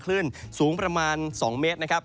คลื่นสูงประมาณ๒เมตรนะครับ